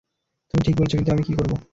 তুমি ঠিক বলেছ, কিন্তু আমি কী করবো?